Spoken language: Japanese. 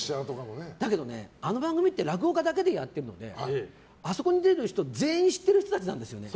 だけどね、あの番組って落語家だけでやってるのであそこに出る人全員、知ってる人たちなんです。